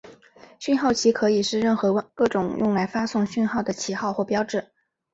讯号旗可以是任何各种用来发送讯号的旗号或标志。